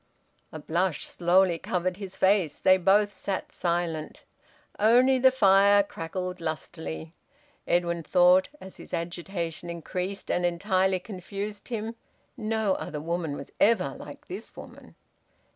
A blush slowly covered his face. They both sat silent. Only the fire crackled lustily. Edwin thought, as his agitation increased and entirely confused him, "No other woman was ever like this woman!"